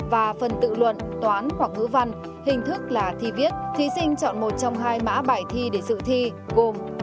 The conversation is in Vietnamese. và phần tự luận toán hoặc ngữ văn hình thức là thi viết thí sinh chọn một trong hai mã bài thi để dự thi gồm